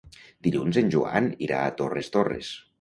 Dilluns en Joan irà a Torres Torres.